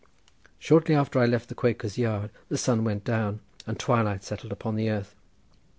Shortly after I left the Quakers' Yard the sun went down and twilight settled upon the earth.